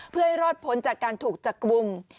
เพื่อให้รอดพ้นจากการถูกจับกลุ่ม